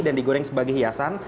dan digoreng sebagai hiasan